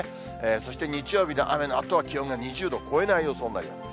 そして日曜日の雨のあとは、気温が２０度を超えない予想になります。